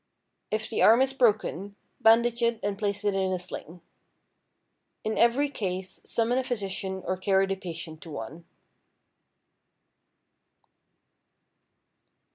If the arm is broken, bandage it and place it in a sling. In every case, summon a physician or carry the patient to one.